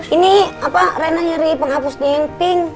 ini apa rena nyari penghapus pink